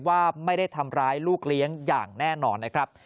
ว่าไม่ได้ทำร้ายลูกเลี้ยงอย่างแน่นอนนะครับ